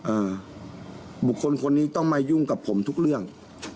บุคคลคนนี้ต้องมายุ่งกับผมทุกเรื่อง